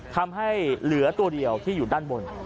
ทำให้เหลือตัวเดียวที่อยู่ด้านบน